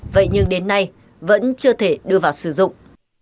vậy nhưng đến nay vẫn chưa thể đưa vào sử dụng